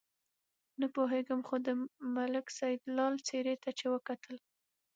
نه پوهېږم خو د ملک سیدلال څېرې ته چې وکتل.